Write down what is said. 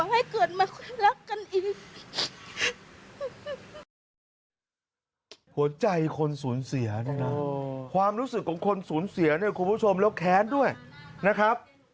หัวใจคนสูญเสียเนี่ยนะความรู้สึกของคนสูญเสียเนี่ยคุณผู้ชมแล้วแค้นด้วยนะครับ